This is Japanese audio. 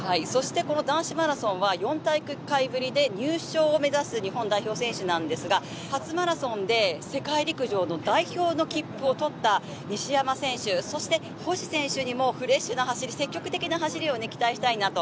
この男子マラソンは４大会ぶりで入賞を目指す日本代表選手なんですが、初マラソンで世界陸上の代表の切符を取った西山選手そして星選手にもフレッシュな走り積極的な走りを期待したいなと。